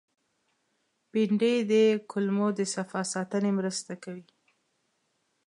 بېنډۍ د کولمو د صفا ساتنې مرسته کوي